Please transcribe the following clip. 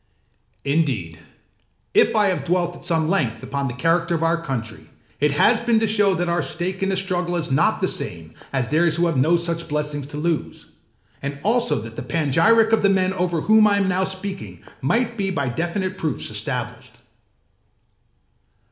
âIndeed if I have dwelt at some length upon the character of our country, it has been to show that our stake in the struggle is not the same as theirs who have no such blessings to lose, and also that the panegyric of the men over whom I am now speaking might be by definite proofs established.